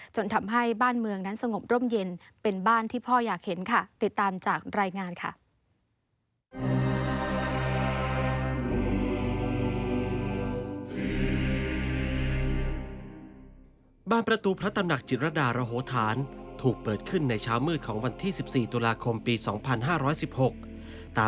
จนทำให้บ้านเมืองนั้นสงบร่มเย็นเป็นบ้านที่พ่ออยากเห็นค่ะ